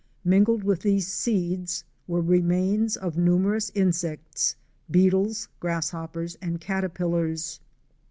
Mingled with these seeds were remains of numerous insects; beetles, grasshoppers and caterpillars.